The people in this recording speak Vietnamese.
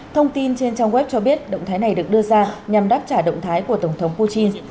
thông tin trên trang web cho biết động thái này được đưa ra nhằm đáp trả động thái của tổng thống putin